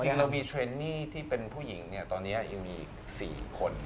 เรามีเทรนนี่ที่เป็นผู้หญิงเนี่ยตอนนี้ยังมีอีก๔คน